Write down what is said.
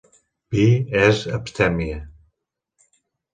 Bee és abstèmia.